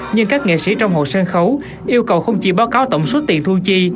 nhưng các nghệ sĩ trong hội sân khấu yêu cầu không chỉ báo cáo tổng suất tiền thu chi